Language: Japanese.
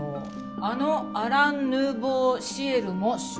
「あのアラン・ヌーボー・シエルも出店！！」